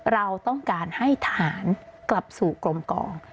เราต้องการให้ทหารกลับสู่กลมกอง